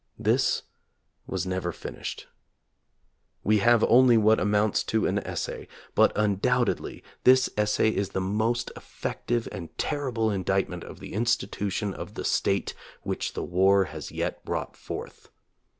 This was never finished. / We have only what amounts to an essay ; but undoubtedly this essay is the most effective and terrible indictment of the institution of the State which the war has yet brought forth.